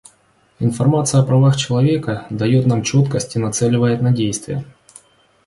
Информация о правах человека дает нам четкость и нацеливает на действия.